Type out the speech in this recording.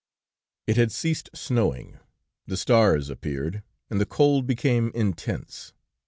"It had ceased snowing; the stars appeared, and the cold became intense.